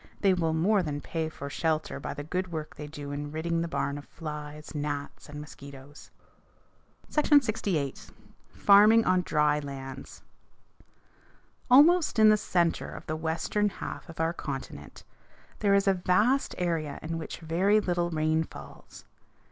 They will more than pay for shelter by the good work they do in ridding the barn of flies, gnats, and mosquitoes. SECTION LXVIII. FARMING ON DRY LANDS Almost in the center of the western half of our continent there is a vast area in which very little rain falls.